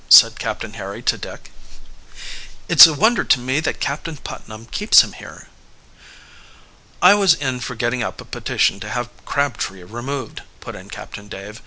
said Captain Harry to Dick. "It's a wonder to me that Captain Putnam keeps him here." "I was in for getting up a petition to have Crabtree removed," put in Captain Dave.